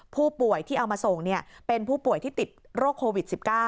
ผู้ป่วยที่เอามาส่งเป็นผู้ป่วยที่ติดโรคโควิด๑๙